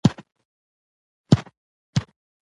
ګړی وروسته په کلا کي خوشالي سوه